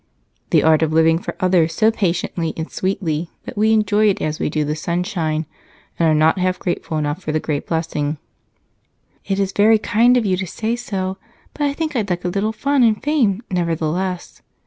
"The art of living for others so patiently and sweetly that we enjoy it as we do the sunshine, and are not half grateful enough for the great blessing." "It is very kind of you to say so, but I think I'd like a little fun and fame nevertheless."